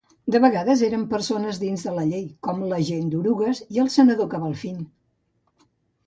De vegades eren persones dins de la llei, com l'agent Durugas i el senador Cabalfin.